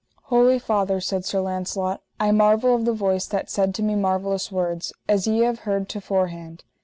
Holy father, said Sir Launcelot, I marvel of the voice that said to me marvellous words, as ye have heard to forehand.